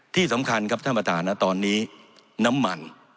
ที่สำคัญครับท่านประธานนะตอนนี้น้ำมัน